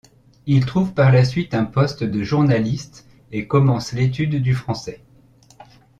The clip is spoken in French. Il trouve par la suite un poste de journaliste et commence l'étude du français.